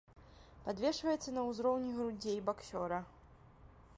Падвешваецца на ўзроўні грудзей баксёра.